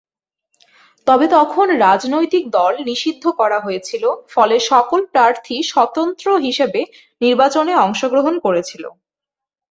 তবে তখন রাজনৈতিক দল নিষিদ্ধ করা হয়েছিল, ফলে সকল প্রার্থী স্বতন্ত্র হিসেবে নির্বাচনে অংশগ্রহণ করেছিল।